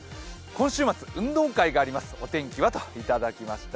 今週末、運動会があります、お天気は？といただきました。